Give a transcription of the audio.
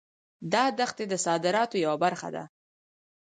دا دښتې د صادراتو یوه برخه ده.